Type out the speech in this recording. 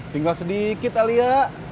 tinggal sedikit alia